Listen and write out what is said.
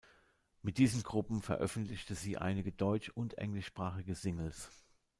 Mit diesen Gruppen veröffentlichte sie einige deutsch- und englischsprachige Singles.